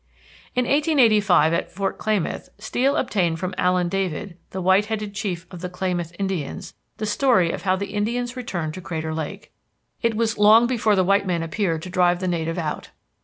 In 1885, at Fort Klamath, Steel obtained from Allen David, the white headed chief of the Klamath Indians, the story of how the Indians returned to Crater Lake. It was "long before the white man appeared to drive the native out."